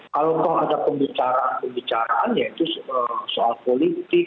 kalau ada pembicaraan pembicaraan yaitu soal politik